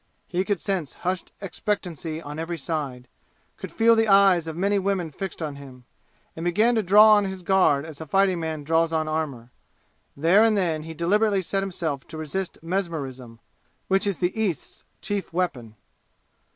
He could sense hushed expectancy on every side could feel the eyes of many women fixed on him and began to draw on his guard as a fighting man draws on armor. There and then he deliberately set himself to resist mesmerism, which is the East's chief weapon.